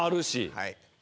はい。